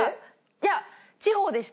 いや地方でした。